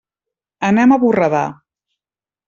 Anem a Borredà.